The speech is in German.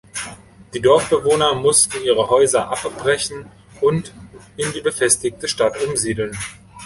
Die Dorfbewohner mussten ihre Häuser abbrechen und in die befestigte Stadt umsiedeln.